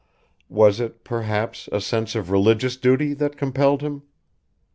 Was it, perhaps, a sense of religious duty that compelled him?